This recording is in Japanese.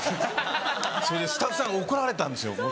それでスタッフさんに怒られたんですよ。